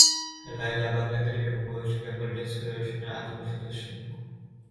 Laila Bangla academy এবং west Bengal dance ফেডারেশনের আজীবন সদস্য।